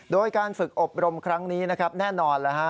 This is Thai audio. โดยการฝึกอบรมครั้งนี้นะครับแน่นอนแล้วฮะ